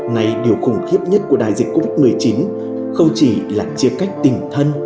này điều khủng khiếp nhất của đại dịch covid một mươi chín không chỉ là chia cách tình thân